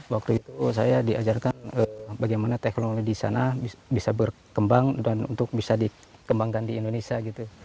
waktu itu saya diajarkan bagaimana teknologi di sana bisa berkembang dan untuk bisa dikembangkan di indonesia gitu